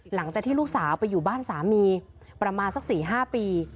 หลังจากที่ลูกสาวไปอยู่บ้านสามีประมาณสัก๔๕ปี